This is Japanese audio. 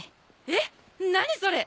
えっ何それ！